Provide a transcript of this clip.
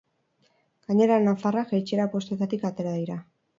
Gainera, nafarrak, jaitsiera postuetatik atera dira.